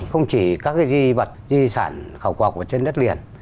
không chỉ các di vật di sản khảo quật trên đất liền